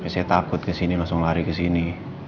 saya takut kesini langsung lari kesini